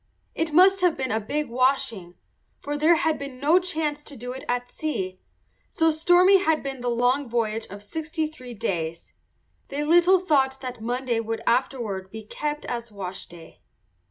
It must have been a big washing, for there had been no chance to do it at sea, so stormy had been the long voyage of sixty three days. They little thought that Monday would afterward be kept as washday.